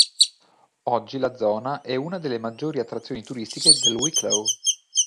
Oggi la zona è una delle maggiori attrazioni turistiche del Wicklow.